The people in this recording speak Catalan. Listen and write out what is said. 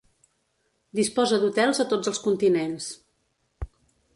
Disposa d'hotels a tots els continents.